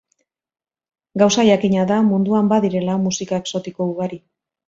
Gauza jakina da munduan badirela musika exotiko ugari.